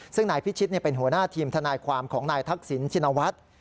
ซึ่งนายพิชิตเป็นหัวหน้าทีมทนายความของนายทักษิณชินวัฒน์